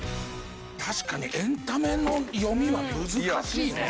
確かにエンタメの読みは難しいね。